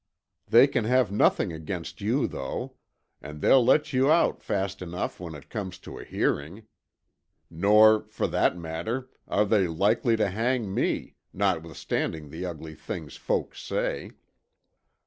They can have nothing against you, though; and they'll let you out fast enough when it comes to a hearing. Nor, for that matter, are they likely to hang me, notwithstanding the ugly things folk say.